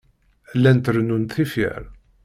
Llant rennunt tifyar.